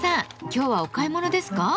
今日はお買い物ですか？